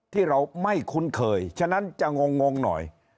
ที่เราไม่คุ้นเคยฉะนั้นจะงงหน่อย